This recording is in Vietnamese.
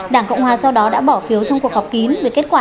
đảng cộng hòa sau đó đã bỏ phiếu trong cuộc họp kín về kết quả